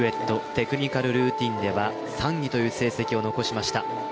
テクニカルルーティンでは３位という成績を残しました。